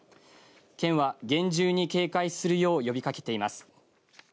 県は厳重に警戒するよう呼びかけています。